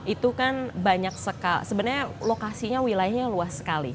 itu kan banyak sekali sebenarnya lokasinya wilayahnya luas sekali